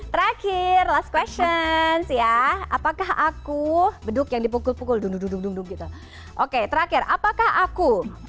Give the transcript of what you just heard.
terakhir last question ya apakah aku beduk yang dipukul pukul dung dung dung gitu oke terakhir apakah aku